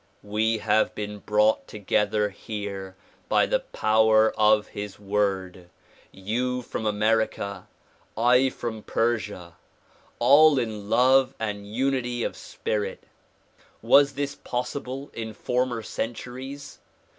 We have been brought together here by the power of his Word; — you from America, I from Persia, — all in love and unity of spirit. Was this possible in former centuries?